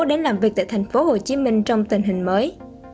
đến làm việc tại tp hcm trong tình hình mới